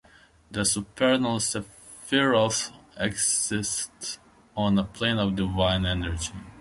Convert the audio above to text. The Supernal Sephiroth exist on a plane of divine energy.